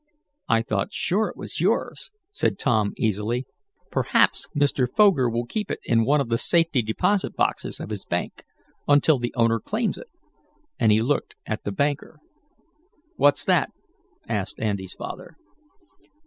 "I thought sure it was yours," said Tom, easily. "Perhaps Mr. Foger will keep it in one of the safety deposit boxes of his bank, until the owner claims it," and he looked at the banker. "What's that?" asked Andy's father.